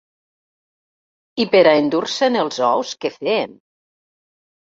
I pera endur-se'n els ous que feien